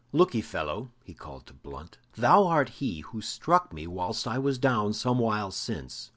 "Look'ee, fellow," he called to Blunt, "thou art he who struck me whilst I was down some while since.